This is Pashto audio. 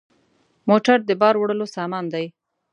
موټر د بار وړلو سامان دی.